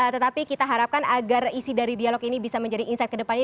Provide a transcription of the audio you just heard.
tetapi kita harapkan agar isi dari dialog ini bisa menjadi insight ke depannya